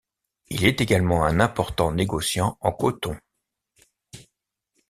Il est également un important négociant en coton.